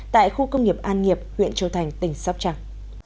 tại khu công nghiệp an nghiệp huyện châu thành tỉnh sóc trăng